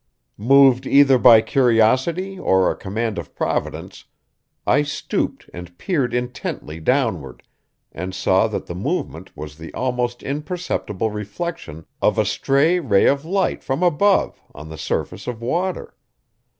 Moved either by curiosity or a command of Providence, I stooped and peered intently downward, and saw that the movement was the almost imperceptible reflection of a stray ray of light from above on the surface of water.